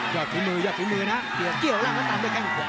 ยอดถึงมือนะยอดก่ิ๋วล่างแล้วตับด้วยแค่มัน